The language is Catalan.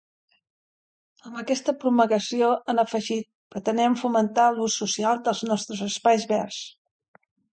Amb aquesta programació, han afegit, “pretenem fomentar l’ús social dels nostres espais verds”.